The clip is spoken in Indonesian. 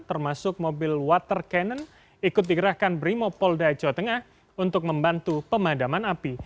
termasuk mobil water cannon ikut digerahkan brimopolda jawa tengah untuk membantu pemadaman api